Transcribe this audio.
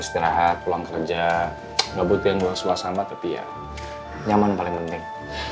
istirahat pulang kerja nggak butuh yang buat suasana tapi ya nyaman paling penting